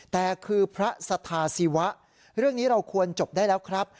แต่คือพระสถาศิวะเรื่องนี้เราควรจบได้แล้วครับ